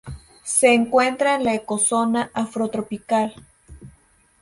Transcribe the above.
Se encuentra en la ecozona afrotropical.